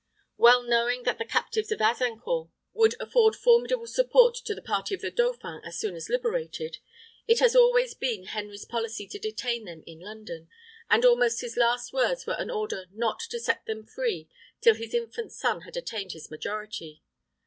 Well knowing that the captives of Azincourt would afford formidable support to the party of the dauphin as soon as liberated, it has always been Henry's policy to detain them in London, and almost his last words were an order not to set them free till his infant son had attained his majority.